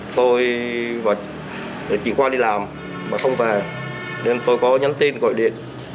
tôi và trịnh khoa đi làm mà không về nên tôi có nhắn tin gọi điện